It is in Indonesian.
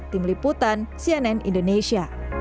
tim liputan cnn indonesia